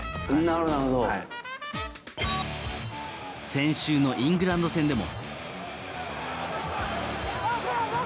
先週のイングランド戦でも。